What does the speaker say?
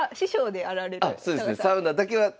あっそうですね。